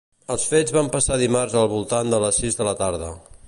Els fets van passar dimarts al voltant de les sis de la tarda.